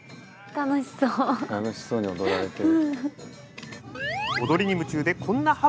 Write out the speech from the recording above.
楽しそうに踊られてる。